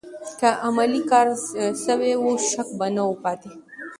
که عملي کار سوی و، شک به نه و پاتې.